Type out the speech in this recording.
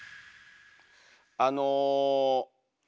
あの。